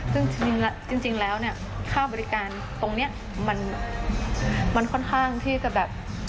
ซึ่งจริงแล้วเนี่ยค่าบริการตรงนี้มันค่อนข้างที่จะแบบ